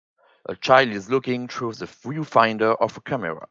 A child is looking through the viewfinder of a camera.